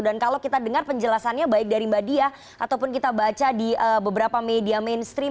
dan kalau kita dengar penjelasannya baik dari mbak diah ataupun kita baca di beberapa media mainstream